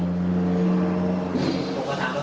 ผมก็เลยรอเขา